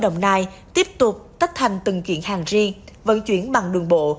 đồng nai tiếp tục tách thành từng kiện hàng riêng vận chuyển bằng đường bộ